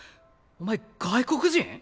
お前外国人？